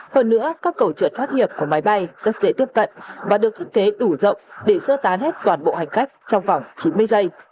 hơn nữa các cầu trượt thoát hiệp của máy bay rất dễ tiếp cận và được thiết kế đủ rộng để sơ tán hết toàn bộ hành khách trong vòng chín mươi giây